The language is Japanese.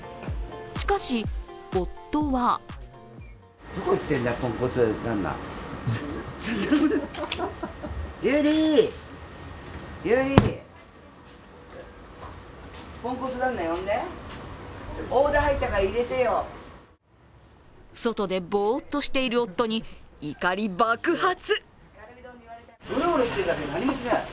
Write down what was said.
しかし、夫は外でぼっとしている夫に怒り爆発。